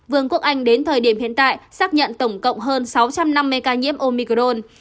vương quốc anh đến thời điểm hiện tại xác nhận tổng cộng hơn sáu trăm năm mươi ca nhiễm omicron